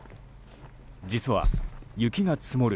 実は、雪が積もる